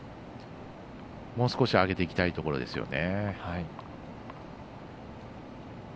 もう少し上げていきたいところですね。